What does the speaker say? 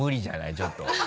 ちょっと。